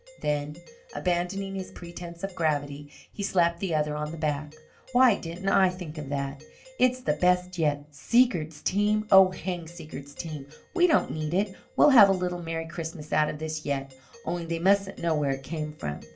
Then, abandoning his pretense of gravity, he slapped the other on the back. "Why didn't I think of that? It's the best yet. Seigert's team? Oh, hang Seigert's team. We don't need it. We'll have a little merry Christmas out of this yet. Only they mustn't know where it came from.